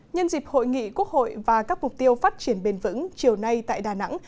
nhân dịp hội nghị quốc hội và các mục tiêu phát triển bền vững chiều nay tại đà nẵng